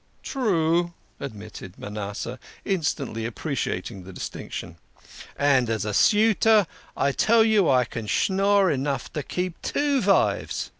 "True," admitted Manasseh, instantly appreciating the distinction. " And as a suitor I tell you I can schnorr enough to keep two vives."